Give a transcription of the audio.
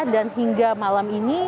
dan hingga malam ini